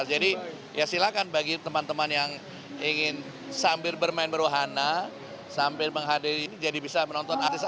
jadi ya silakan bagi teman teman yang ingin sambil bermain berwahana sambil menghadiri jadi bisa menonton artis artis idola